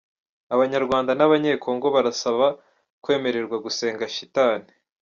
Abanyarwanda n’Abanyekongo barasaba kwemererwa gusenga shitani